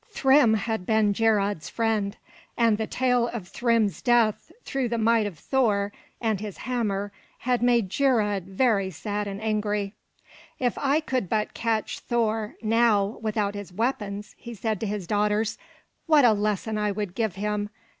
Thrym had been Geirröd's friend, and the tale of Thrym's death through the might of Thor and his hammer had made Geirröd very sad and angry. "If I could but catch Thor, now, without his weapons," he said to his daughters, "what a lesson I would give him!